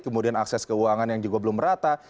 kemudian akses keuangan yang juga belum rata